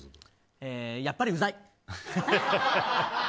やっぱり、うざい。